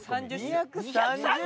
２３０！？